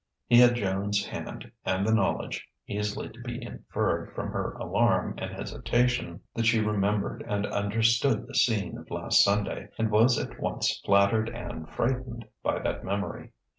He had Joan's hand and the knowledge, easily to be inferred from her alarm and hesitation, that she remembered and understood the scene of last Sunday, and was at once flattered and frightened by that memory.